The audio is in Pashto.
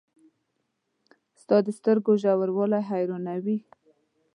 • ستا د سترګو ژوروالی حیرانوي.